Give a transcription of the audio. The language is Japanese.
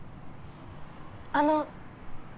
あの。